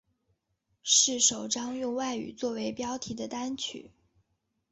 是首张用外语作为标题的单曲。